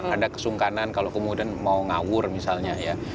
ada kesungkanan kalau kemudian mau ngawur misalnya ya